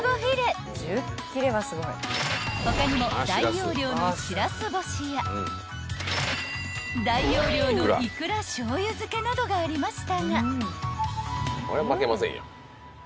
［他にも大容量のしらす干しや大容量のいくら醤油漬けなどがありましたが］